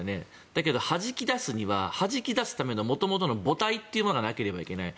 だけど、はじき出すにははじき出すための元々の母体がなければいけない。